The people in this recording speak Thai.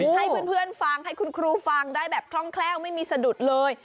ให้เพื่อนฟังให้คุณครูฟังได้แบบคล่องแคล่วไม่มีสะดุดเลย